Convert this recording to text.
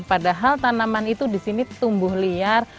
padahal tanaman itu di sini tumbuh liar